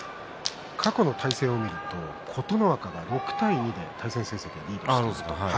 過去の対戦を見ると琴ノ若が６対２で対戦成績をリードしています。